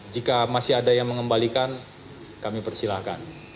jika masih ada yang mengembalikan kami persilahkan